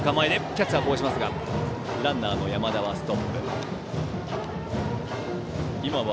キャッチャーこぼしますがランナーの山田はストップ。